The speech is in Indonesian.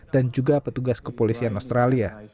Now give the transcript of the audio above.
dan juga petugas kepolisian australia